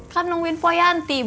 kan nungguin poyanti betul